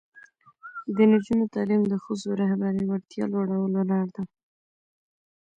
د نجونو تعلیم د ښځو رهبري وړتیا لوړولو لاره ده.